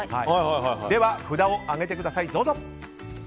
では、札を上げてください。